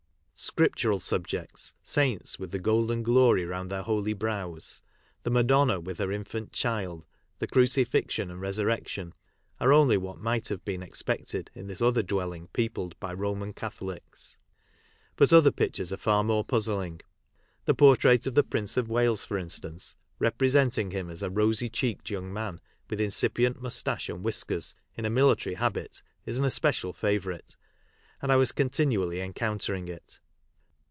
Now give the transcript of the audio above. Scriptural subjects', saints with the golden glory round their holy brows, the Madonna with her infant child, the Crucifixion and Resurrection, are only what might have been expected in this other dwelling peopled by Roman Catholics; but other pictures are far more puzzling The portrait of the Prince of Wales, for instance, representing him as a rosy cheeked young man, with incipient moustache and whiskers, in a military habit, is an especial favourite, and I was continually encountering it.